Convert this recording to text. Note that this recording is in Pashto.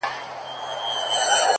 ماته خو اوس هم گران دى اوس يې هم يادوم;